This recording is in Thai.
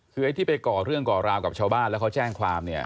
คือไอ้ที่ไปก่อเรื่องก่อราวกับชาวบ้านแล้วเขาแจ้งความเนี่ย